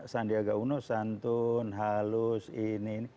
sandiaga uno santun halus ini